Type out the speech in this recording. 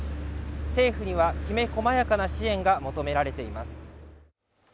政府にはきめ細やかな支援が求められています。